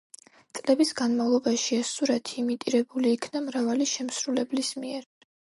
წლების განმავლობაში ეს სურათი იმიტირებული იქნა მრავალი შემსრულებლის მიერ.